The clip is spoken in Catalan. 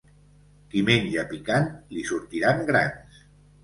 Qui menja picant li sortiran grans.